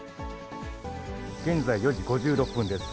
現在４時５６分です。